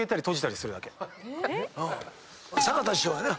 坂田師匠やな。